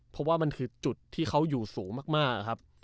เพราะว่ามันคือจุดที่เขาอยู่สูงมากครับ